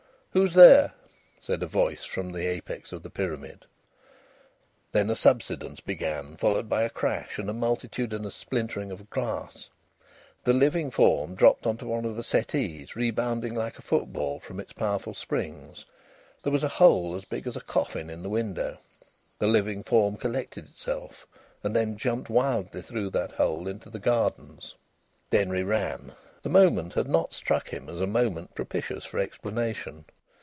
"Who's there?" said a voice from the apex of the pyramid. Then a subsidence began, followed by a crash and a multitudinous splintering of glass. The living form dropped on to one of the settees, rebounding like a football from its powerful springs. There was a hole as big as a coffin in the window. The living form collected itself, and then jumped wildly through that hole into the gardens. Denry ran. The moment had not struck him as a moment propitious for explanation.